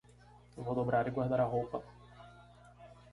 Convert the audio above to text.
Vou dobrar e guardar a roupa.